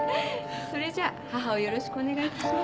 それじゃ母をよろしくお願いいたします。